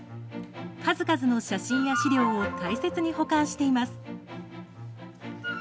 数々の写真や資料を大切に保管しています。